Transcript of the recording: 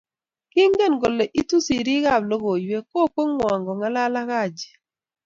Kingen kole iitu serii ab logoiiwek kokweengwa kongalal ak Haji